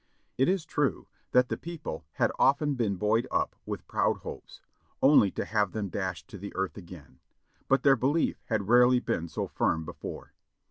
It is true that the people had often been buoyed up with proud hopes, only to have them dashed to the earth again, but their belief had rarely been so firm before.